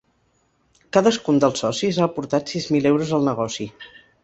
Cadascun dels socis ha aportat sis mil euros al negoci.